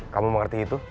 kamu mengerti itu